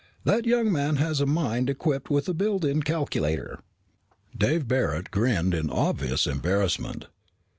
"That young man has a mind equipped with a built in calculator." Dave Barret grinned in obvious embarrassment.